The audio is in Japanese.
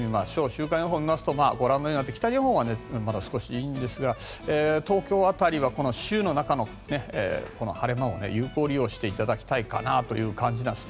週間予報を見てみますとご覧のようになって北日本はまだ少しいいんですが東京辺りは週の中の晴れ間を有効利用していただきたいかなという感じです。